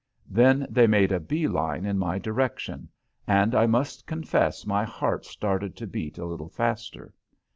Then they made a bee line in my direction, and I must confess my heart started to beat a little faster.